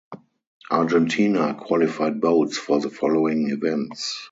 Argentina qualified boats for the following events.